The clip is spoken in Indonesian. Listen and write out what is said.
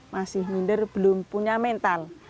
masih minder belum punya mental